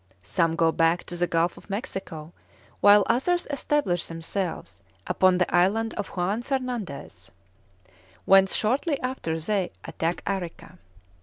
Some go back to the Gulf of Mexico, while others establish themselves upon the island of Juan Fernandez, whence shortly after they attack Arica.